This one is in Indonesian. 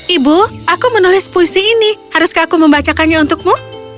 ibu aku menulis puisi ini haruskah aku membacakannya untukmu